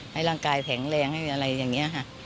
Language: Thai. ให้ร่างกายแข็งแรงอย่างนี้